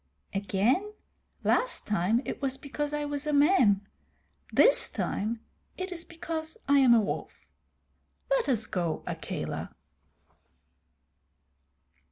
"Again? Last time it was because I was a man. This time it is because I am a wolf. Let us go, Akela."